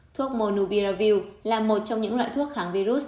thuốc monubiravil là một trong những loại thuốc kháng virus